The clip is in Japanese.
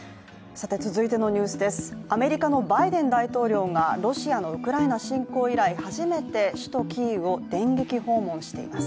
アメリカのバイデン大統領がロシアのウクライナ侵攻以来初めて首都キーウを電撃訪問しています。